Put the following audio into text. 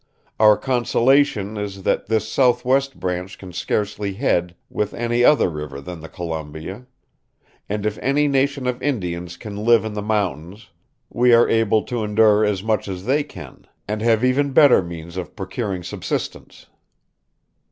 Our consolation is that this southwest branch can scarcely head with any other river than the Columbia; and if any nation of Indians can live in the mountains we are able to endure as much as they can, and have even better means of procuring subsistence."